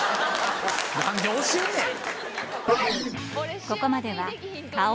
何で教えんねん！